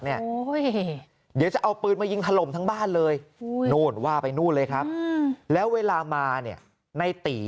เดี๋ยวจะเอาปืนมายิงถล่มทั้งบ้านเลยว่าไปนู่นอื่นแล้วเวลามาในตี